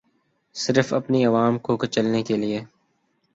صرف اپنی عوام کو کچلنے کیلیے